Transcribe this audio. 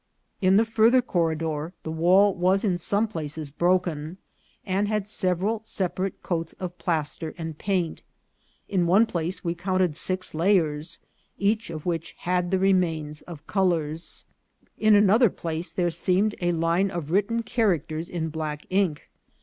In the farther corridor the wall was in some places broken, and had several separate coats of piaster and paint. In one place we counted six layers, each of which had the remains of colours. In another place there seemed a line of written characters in black ink.